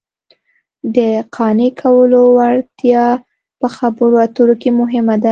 د قانع کولو وړتیا په خبرو اترو کې مهمه ده